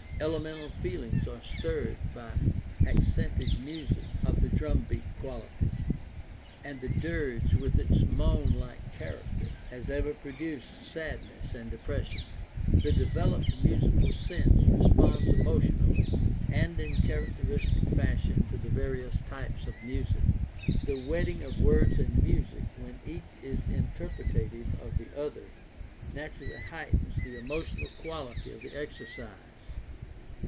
Elemental feelings are stirred by accented music of the drum beat quality, and the dirge with its moanlike character has ever produced sadness and depression. The developed musical sense responds emotionally and in characteristic fashion to the various types of music. The wedding of words and music when each is interpretative of the other naturally heightens the emotional quality of the exercise.